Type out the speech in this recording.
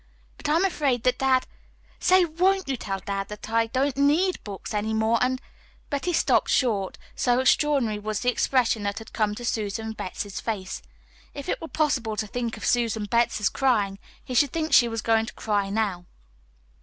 But I'm afraid that dad Say, WON'T you tell dad that I don't NEED books any more, and " But he stopped short, so extraordinary was the expression that had come to Susan Betts's face. If it were possible to think of Susan Betts as crying, he should think she was going to cry now.